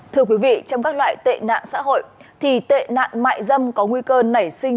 thưa quý vị trong các loại tệ nạn xã hội thì tệ nạn mại dâm có nguy cơ nảy sinh